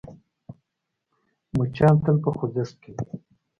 مچان تل په خوځښت کې وي